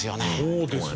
そうですね。